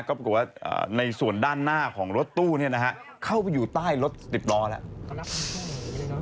กลัวว่าในส่วนด้านหน้าของรถตู้เนี่ยนะฮะเข้าไปอยู่ใต้รถติดล้อแล้ว